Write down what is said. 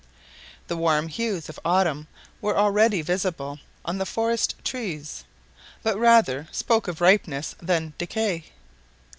The warm hues of autumn were already visible on the forest trees, but rather spoke of ripeness than decay.